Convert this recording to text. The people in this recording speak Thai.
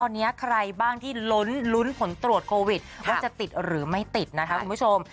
ตอนนี้ไหนที่ล้นผลตรวจโควิดว่าจะติดหรือไม่ติดครับ